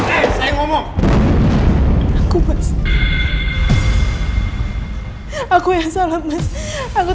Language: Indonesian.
tidak ada yang bisa dihukum